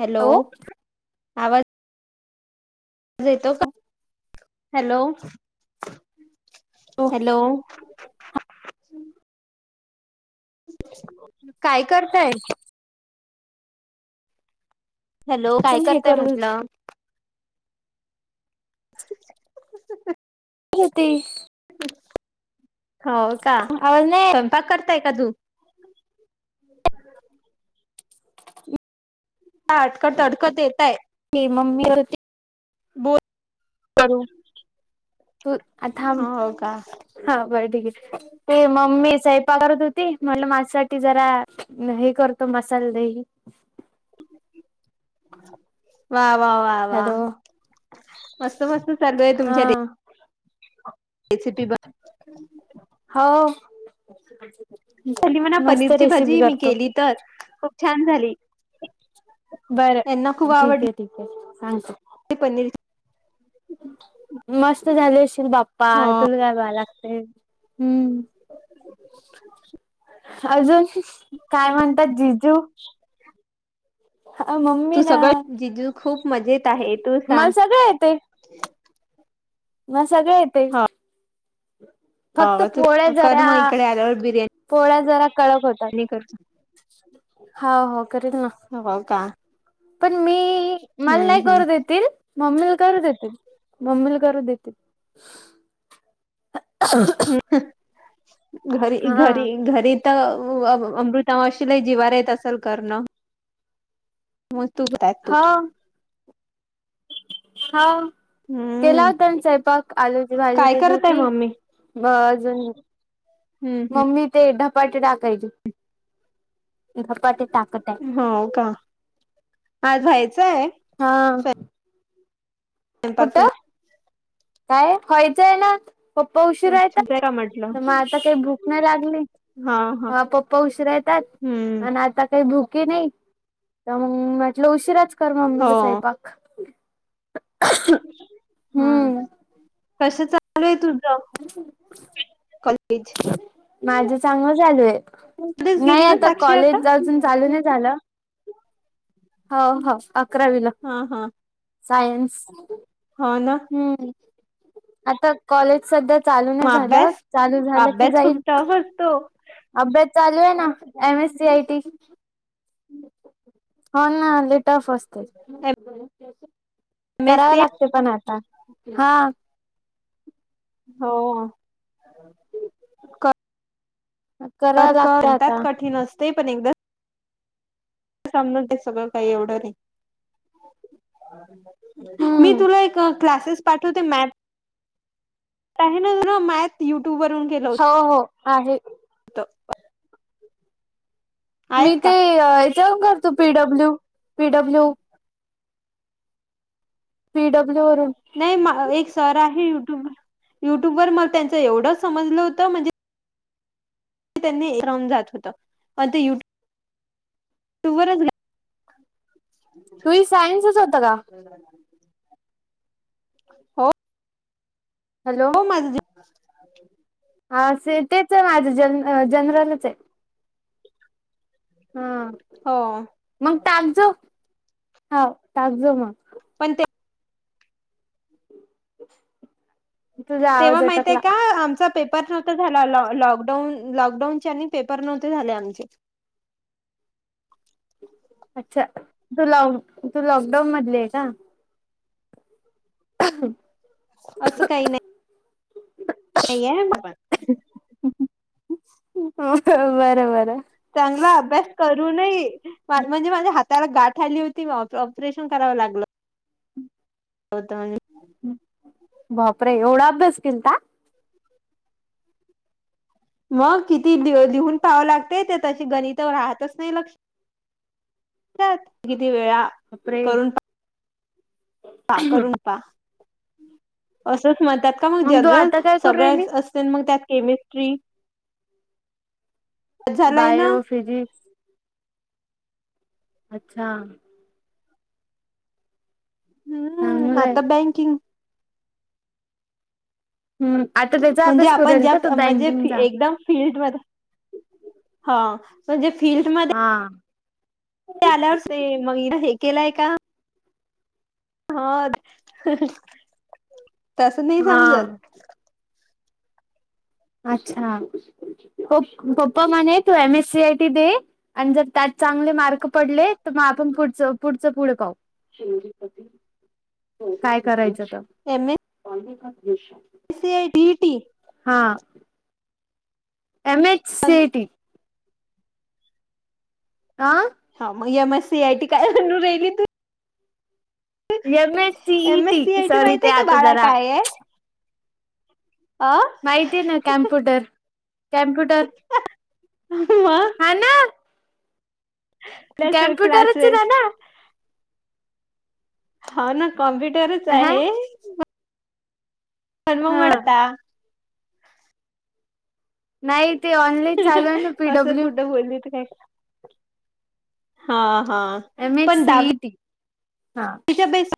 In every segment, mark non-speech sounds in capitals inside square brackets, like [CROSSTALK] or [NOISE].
Hello आवाज. येतो का हॅलो. हॅलो. काय करताय. हॅलो काय हे करताय करत होती म्हटलं. अ. होती हो का आवाज नाही स्वयंपाक करत य का तू हा अडकत अडकत येतय. ही मम्मी होती बोल करू तू आता हो का हा बर ठीके आहे ते म्ममी साहेब करत होती म्हणलं माझ्यासाठी जरा हे करतो मसाला दही हम्. वा वा वा वा हॅलो मस्त मस्त चालू ये हा तुमच्या रेसिपी [UNINTELLIGIBLE] खली म्हणा मस्त पनीरची रेसिपी भाजी मी केली तर खूप छान झाली. बर यांना खूप ठीक आहे आवडली ठीक आहे सांगते. पनीर. मस्त झाले लेशी तु बाप्पा हो तुला काय बा लागते हम् अजून काय म्हणतात जिजू मम्मी तू ना सगळं जिजू खूप मजेत आहे तू मला सांग ना सगळ येत. फक्त हो तू पोळ्या कर जरा मग इकडे आल्यावर बिर्याणी पोळ्या जरा कडक होतात करतो हो हो करेल ना हो का पण मी मला हम्म नाही हम्म करू देतील. मम्मीला करू देतील मम्मीला करू देतील. अ. घरी घरी घरी तर अमृता माशिलाही जिवार येत असेल करणं. मज तू होेत आहेत तू हा. केला हम्म होता आणि स्वयंपाक आलूची भाजी काय केली करत आहे होती. मम्मी हम्म मम्मी ते ढपाटी टाकायची. धपाटे टाकत आहे हो का आज ह्याच. हा म पात. कुठं काय व्हायचं आहे ना पप्पा उशीर तुला येतात का म्हटलं तर मग आता काही भूक नाही लाग. हा पप्पा उशीरा येतात हम्म आणि आता काही भूक की नाही तर मग म्हटलं उशिराच कर हो मम्मीला स्वैपाक हा हम्म. कसं चालू आहे तुझ कॉलेज. माझं चांगलं चालूय मध्येच नाही गेली ना आता साक्षी कॉलेज अजून चालू नाही. हो अकरावीला हा हा सायन्स. हो ना हम्म आता कॉलेज सध्या चालू मग नाही झालं अभ्यास चालू झालं की अभ्यास खूप जाईल टफ असतो अभ्यास. चालू आहे ना एमएस सी आय टी हो नाले टफ असते एम एस कराव सी लागते पण आत. हां हो कराव तर का लागत आता म्हणतात कठीण असते पण एकदा सम ते सगळं काही एवढं नाही. मी हम्म तुला एक क्लासेस. पाठवते मॅप. [UNINTELLIGIBLE] [UNINTELLIGIBLE] हो हो आहे. तर मी ते याच्या वरून करतो पीडब्ल्यू पीडब्ल्यू पीडब्ल्यू वरून नाही एक सर आहे युट्यूब युट्यूब वर मला त्यांच एवढंच समजलं होतं म्हणजे ते त्यांनी राहून जात होतं मण ते युट्यूब टॉवर या तुही सायन्सच होतं का? हो. हो मजे, हा असे तेच आहे माझं जन जनरलच हे. हा हो मग टाकज हा टाकजो मग. पण ते, [INAUDIBLE] तेव्हा आवाज माहितय अटकला का आमचा पे पर नव्ह झाला लॉकडाऊन लॉकडाऊन चे आणि पेपर नव्हते झाले आमचे. अच्छा तू लॉक तू लॉकडाऊन मधले का. [INAUDIBLE] असं काही नाही. नाही ये, ह बर बरं. चांगला अभ्यास कर, तुम्ही म्हणजे माझ्या हाताला गाठ आली होती ऑपरेशन करावं लागलं. होता, बापरे एवढा अभ्यास केलता. मग किती ल लिहून पाहावं लागते ते तशी गणित राहतच नाही लक्ष ता किती वेळा बापरे करून टा का करून पा अस, म्हणतात का मग तू जनरल आता काय करू सगळे राहिली असते मग त्यात केमिस्ट्री, झालाय ना बायो फिजिक्स, अच्छा. हम्म चांगलंय आता बँकिंग. हम्म आता त्याचा म्हणजे अभ्यास करू आपण राहिली ज्या का तू म्हणजे बँकिंगचा एकदम फीलल्ड वर. हा. फील्डमध्ये हा. आल्यावर ते मग इन हे केलंय का? हो तसं नाही हा समजत. अच्छा. प पप्पा मणे तू एम एस सी आयटी दे आणि जर त्यात चांगले मार्क पडले तर म आ आपण पुढ पुढच पुढे पाहू काय करायचं? [INAUDIBLE] सीआयडी इ टी, हा. MH CID. ह, हा मग M S C I T काय ह राहिली तू, M S C M S C इटी I T sorry माहित ते आहे का आता बाळा जरा, काय आहे अ माहिती आहे ना कॅम्प्युटर कॅमप्युटर, ह. [UNINTELLIGIBLE] हा ना, आपल्या कॅम्पुटर क्लासेस राणा. हा ना कॉम्प्युटर ह आहे, करर्म हा वाढता. नाही ते ऑनलाईन चालू आहे ना असं पीडब्ल्यू कुठं बोलत हे हा. हा एम एच पण सीईटी हा दहावी च्या बेस व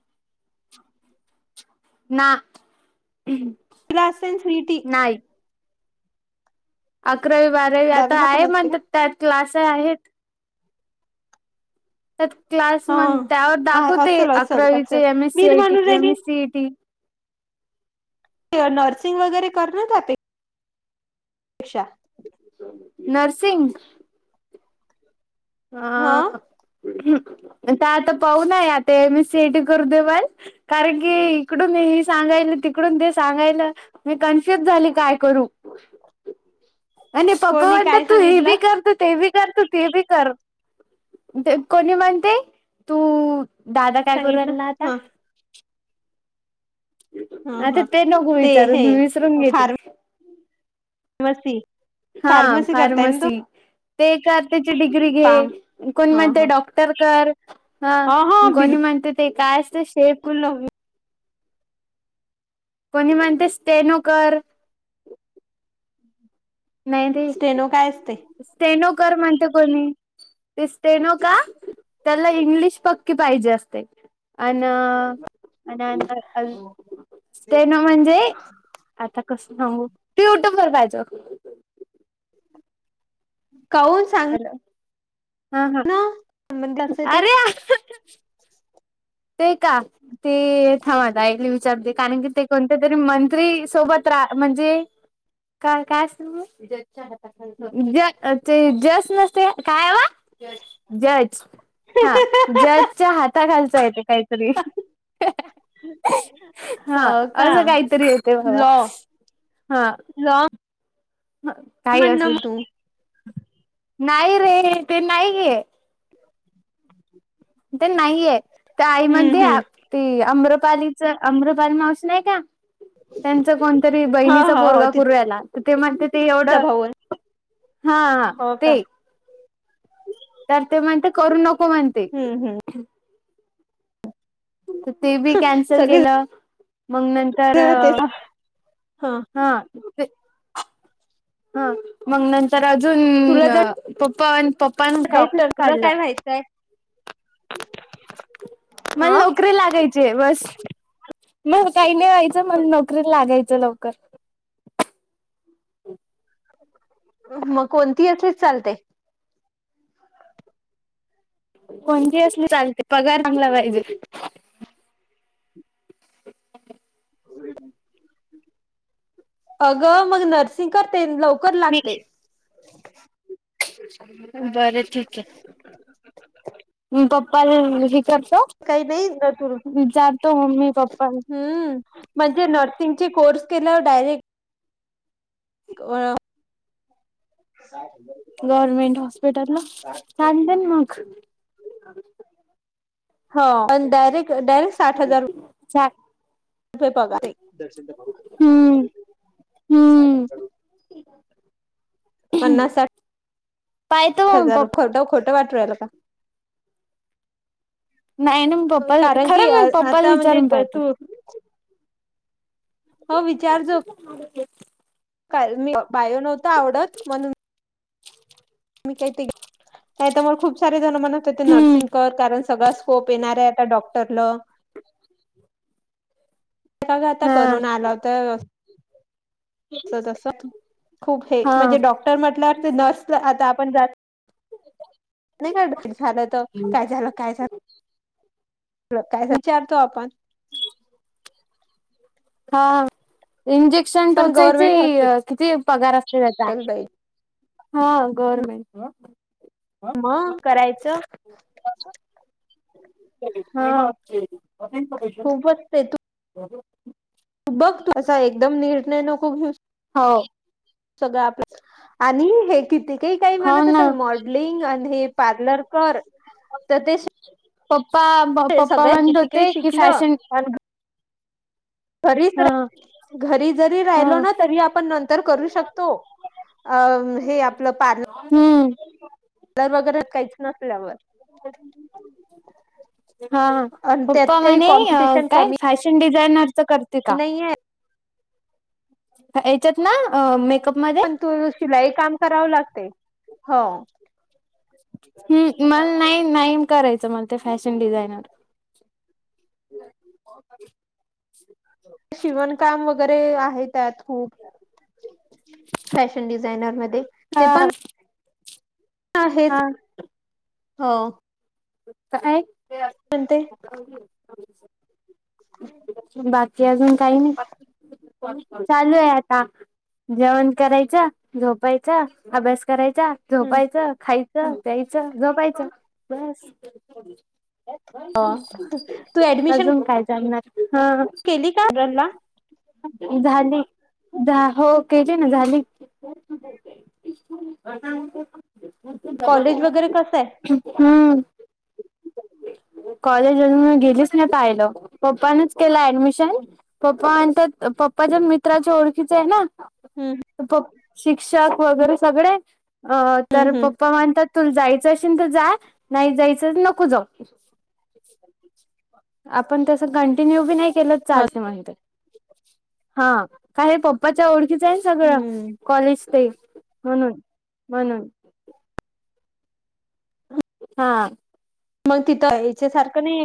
ना, न शटी नाही अकरावी बारावी आता दहावीला पण आहे असते म्हणत त्यात क्लास आहेत. त्या क्लास का म त्यावर हा दाखवते असेल असेल असेल अकरावीचे एम एस सी मी आयी म्हणून एम राहिली एस सी आयटी. ते नर्सिंग वगैरे कर ना आपे. नर्सिंग हा हां तर आता पाहन आहे आता मी सेट कर देवाल कारण की इकडून सांग तिकडून ते सांगाय मी कन्फ्युज झाली काय करू आणि पप्पपा कोणी वाणता काय तू हे बी सांगितलं करतो ते करत ते बी कर कोणी म्हणते तू दादा काय कररल सांगितलं ना आता हा हा हा अताा ते नको विचारून मी विसरून घेली नमस् हा फार्मसी ते कर त्याची डिग्री घे फार्म कोण हा म्हणते हा डॉक्टर कर हा म कोणी म्हणते ते काय असत शेप बिलकुल कोणी म्हणते स्टेनोकर नाही रे स्टेनो काय असते सेनोकर म्हणते कोणी दिसते न का त्याला इंग्लिश पक्की पाहिजे असते अ आणि स्टेन म्हणजे आता कस सांगू तू युट्यूब वर पाहिच काह सांग हम हम ना संबंध असे ते अरे ते का ते थांमा दयले विचारते कारण की ते कोणते तरी मंत्री सोबत रा म्हणजे का काय ते जस नसते काय वा जज हा जजच्या हाता घालचा येत काहीतरी हो हा का असं काहीतरी येत बाबा लॉ हा काही असू मनामनातू नाही रे ते नाही गे ते नाहीये ते आई हम्म म्हणते हम्म ती अमृ पालीच अमृपाली मावस नाही का त्यांचं कोणतरी हो बहिणीचा हो हो पोरगा कररू रायला ते म्हणत ते तिचा एवढं भाऊ हा हो का ते तर ते म्हणते करू नको म्हणते हम्म हम्म तर ते बी कॅन्सल सगळे केलं मग नंतर ते ह हा ह मग नंतर अजून तुला जर प्पा.. पण काहीतच डॉक्टर तुला काय काढलं. व्हायचंय मला अ नोकरी लागायची बस.. मग काही नाही व्हायचं मग नोकरीत लागायचं लवकर.. मग कोणती असलीच चालते.. कोणती असली चालते पगार चांगला पाहिजे.. अ.. अग मग नरसिंग करते लव लवकर लागते बर, ठीक आहे हम्म पप्पा [UNINTELLIGIBLE] काही नाही ना तुर, विचारतो मम्मी पप्पा हम्म म्हणजे न त्यानंचे कोर्स केलावर डायरेक्ट अह गव्हर्मेंट हॉस्पिटलला चालते ना मग हो डयरेक्ट डायरेक्ट साठ हजार ार दशन हम्म साय हम्म जरू पन्नास पाहतो साठठ मग हजार पप्पा खोट खोट वाटूला का... नाही ना मग पप्पा कारण की खरं म पप्पाला आता म्हणजे विचारून पाहतो.. तू हो विचारजो.. का मी बाय नव्हत आवडत म्हणून.. काही ते का त्यामुळे खूप सार... जण म्हणत ते नर्सिंग कर कारण सगळा स्कोप येणार आहे आता डॉक्टरला... का का आता हा करून आला होता.. त तस खूप हे हा म्हणजे डॉक्टर म्हटल्या ते नर्स आता आपण जात... नाही का झालं तर काय झालं काय झालं.. काय विचारतो आपण हा. इंजेक्शन पण टोचायचे गव्हर्नमेंट हॉस्पिटल किती पगार असते त्याचा पाहिजे हा गवर्मेंट मग करायचं खूपच ते तू हा. बघ तू असा एकदम निर्णय नको घेऊ हो. सगळं आपल्या आणि हे किती ते काही हो म्हणत ना असल मॉडलिंग आणि हे पार्लर कर तर ते पप्पा पप्पा सगळ्या म्हणत किती काही होते की शिकलं फॅशन पण घरीच हा रा घरी जरी हा राहिलो ना तरी आपण नंतर करू शकतो अ हे आपलं पर्ल हम्म र वगरे काहीच नसल्यावर [INAUDIBLE] हा ह आणि त्यात पप्पा काही म्हणे कॉम्पिटिशन काय कमी फॅशन डिझाईन... करते का नाहीये याच्यात ना... मेकअप मध्ये पण तू शिलाई काम करावं लागते.. हो हम् मला नाही... नाही करायचं मला ते फॅशन डिझायनर.. [UNINTELLIGIBLE] शिवणकाम वगैरे आहे त्यात.. खूप फॅशन डिझायनर मध्ये ते हा पण... हे हा हो. काय म्हणते बाकी अजून काही नाही. चालू आहे आता जेवण करायचं झोपायचं. अभ्यास करायचा झोपायचं खायचं प्यायचं झोपायचं बस तू ऍडमिशन अजून काय जामणार केली काला झाली हो केली ना झाली. कॉलेज वगैरे कसं आहे हम. कॉलेज जून म गेलीस ना पाहिलं प्. पप्पाानच केला ऍडमिशन पप्पा म्हच्या पप्पाच्या मित्राच्या ओळखीच आहे ना हम्म शिक्षक वगैरे सगळे.... अ तर हम्म पप्पा म्हणतात तु जायचं... नाहीच नको जाऊ आपण. कंटिन्यू भी नाही केलं तर चालते म्हणे हा आहे पपाच्या ओळखीचं.... आहे सगळं हम्म कॉलेज ते म्हणून म्हणून... हा. मग तिथं याच्या सारखं नाही.